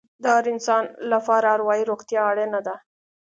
د هر انسان لپاره اروايي روغتیا اړینه ده.